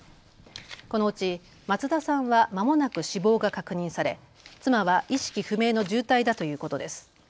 このうち松田さんはまもなく死亡が確認され、妻は意識不明の重体だということです。